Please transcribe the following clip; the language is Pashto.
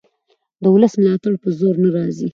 د ولس ملاتړ په زور نه راځي